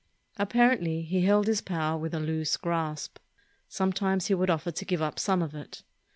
393 ROME Apparently, he held his power with a loose grasp. Sometimes he would offer to give up some of it.